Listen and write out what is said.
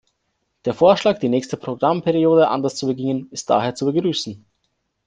Der Vorschlag, die nächste Programmperiode anders zu beginnen, ist daher zu begrüßen.